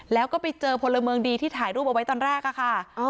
แล้วก็ไปเจอพลเมืองดีที่ถ่ายรูปเอาไว้ตอนแรกค่ะ